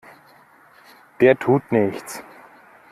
Der tut nichts!